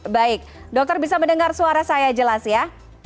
baik dokter bisa mendengar suara saya jelas ya